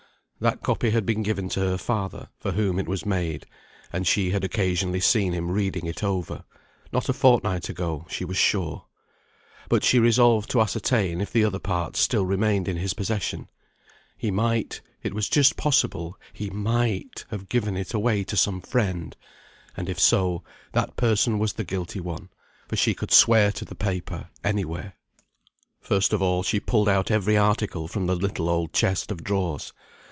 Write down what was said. That copy had been given to her father, for whom it was made, and she had occasionally seen him reading it over, not a fortnight ago she was sure. But she resolved to ascertain if the other part still remained in his possession. He might, it was just possible he might, have given it away to some friend; and if so, that person was the guilty one, for she could swear to the paper anywhere. First of all she pulled out every article from the little old chest of drawers.